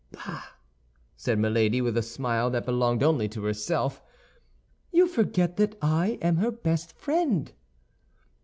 "Bah!" said Milady, with a smile that belonged only to herself; "you forget that I am her best friend."